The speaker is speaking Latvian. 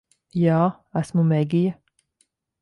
Jā. Esmu Megija.